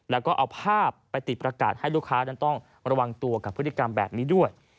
แล้วก็เอาภาพไปติดประกาศให้ลูกค้านั้นต้องระวังตัวกับพฤติกรรมแบบนี้ด้วย